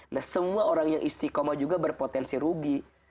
nah semua orang yang istiqomah juga berpotensi rugi